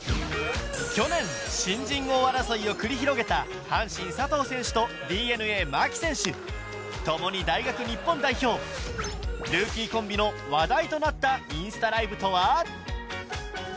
去年新人王争いを繰り広げた阪神・佐藤選手とＤｅＮＡ・牧選手共に大学日本代表ルーキーコンビの話題となったインスタライブとは？